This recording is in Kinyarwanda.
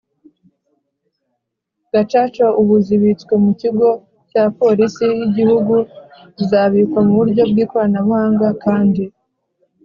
Gacaca ubu zibitswe mu kigo cya Polisi y Igihugu zabikwa mu buryo bw ikoranabuhanga kandi